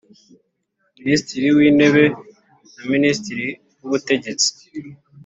Minisitiri w Intebe na Minisitiri w Ubutegetsi